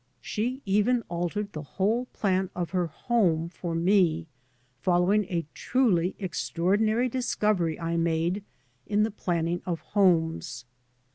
She even altered the whole plan of her home for me, following a truly extraordinary discovery I made in the planning of homes.